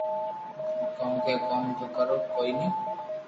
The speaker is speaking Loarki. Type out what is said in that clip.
ڪونڪہ ڪوم تو ڪرو ڪوئي ني